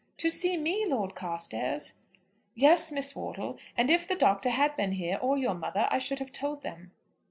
"To see me, Lord Carstairs!" "Yes, Miss Wortle. And if the Doctor had been here, or your mother, I should have told them."